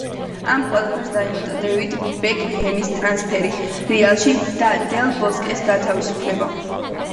ამ ყველაფერს დაემატა დეივიდ ბეკჰემის ტრანსფერი რეალში და დელ ბოსკეს გათავისუფლება.